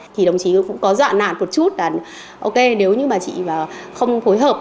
thì đồng chí cũng có dọa nản một chút là ok nếu như mà chị không phối hợp